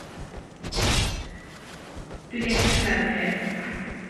Dw i 'di edrych mewn i hyn.